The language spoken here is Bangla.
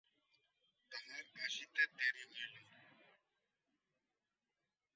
তাহার আসিতে দেরি হইল।